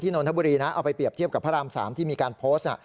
นนทบุรีนะเอาไปเรียบเทียบกับพระราม๓ที่มีการโพสต์